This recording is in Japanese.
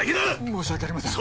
申し訳ありません。